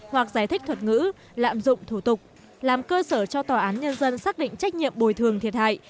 hoặc giải thích thuật ngữ lạm dụng thủ tục làm cơ sở cho tòa án nhân dân xác định trách nhiệm bồi thường thiệt hại